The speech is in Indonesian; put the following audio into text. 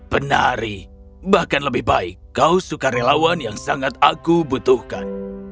penari bahkan lebih baik kau suka relawan yang sangat aku butuhkan